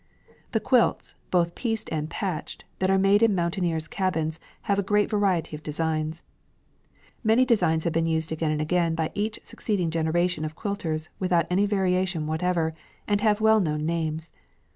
The quilts, both pieced and patched, that are made in mountaineers' cabins have a great variety of designs. Many designs have been used again and again by each succeeding generation of quilters without any variation whatever, and have well known names.